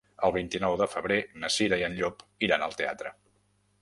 El vint-i-nou de febrer na Cira i en Llop iran al teatre.